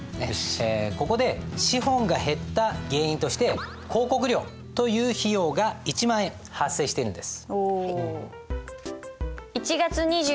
ここで資本が減った原因として広告料という費用が１万円発生しているんです。